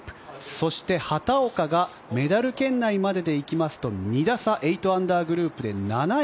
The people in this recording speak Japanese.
そして畑岡がメダル圏内グループまでは２打差、８アンダーグループで７位